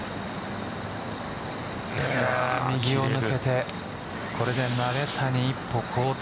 右を抜けてこれで鍋谷、一歩後退。